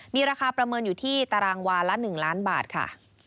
มีราคาประเมินอยู่ที่ตารางวาละ๑ล้านบาทค่ะ